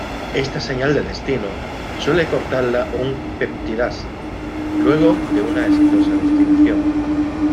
Esta señal de destino suele cortarla una peptidasa, luego de una exitosa destinación.